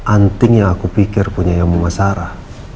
anting yang aku pikir punya yang memasara